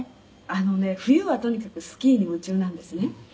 「あのね冬はとにかくスキーに夢中なんですね」